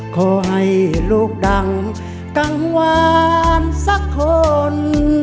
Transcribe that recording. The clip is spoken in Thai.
ขอให้ลูกดังกังวานสักคน